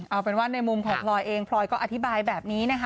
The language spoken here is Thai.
เอาเป็นว่าในมุมของพลอยเองพลอยก็อธิบายแบบนี้นะคะ